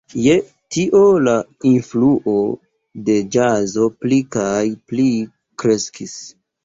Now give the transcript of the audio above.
Je tio la influo de ĵazo pli kaj pli kreskis.